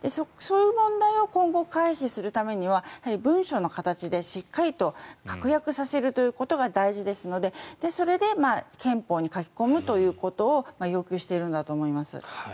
その問題を今後、回避するためには文書の形でしっかりと確約させるということが大事ですのでそれで憲法に書き込むということを要求しているんだと思います。